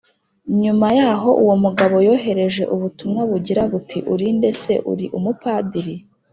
Nyuma yaho uwo mugabo yohereje ubutumwa bugira buti uri nde Ese uri umupadiri